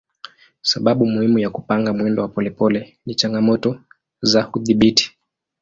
Sababu muhimu ya kupanga mwendo wa polepole ni changamoto za udhibiti.